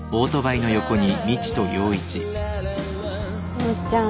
陽ちゃん